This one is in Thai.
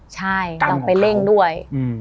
ใช่เราไปเร่งด้วย